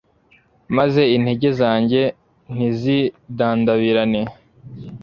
maze intege zanjye ntizidandabirane